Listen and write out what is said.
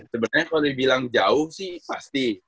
sebenernya kalo dibilang jauh sih pasti